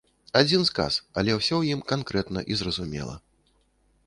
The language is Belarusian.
Адзін сказ, але ўсё ў ім канкрэтна і зразумела.